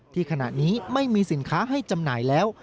ขณะนี้ไม่มีสินค้าให้จำหน่ายแล้ว